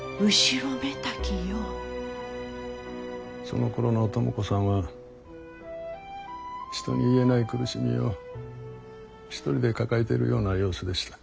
そのころの知子さんは人に言えない苦しみを１人で抱えてるような様子でした。